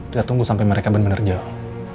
kita tunggu sampe mereka bener bener jauh